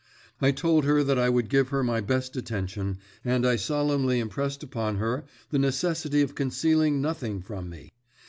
I told her that I would give her my best attention, and I solemnly impressed upon her the necessity of concealing nothing from me.